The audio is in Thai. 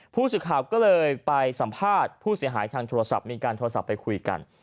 ผู้สื่อข่าวก็เลยไปสัมภาษณ์ผู้เสียหายทางโทรศัพท์มีการโทรศัพท์ไปคุยกัน